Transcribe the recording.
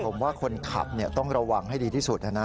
ผมว่าคนขับต้องระวังให้ดีที่สุดนะนะ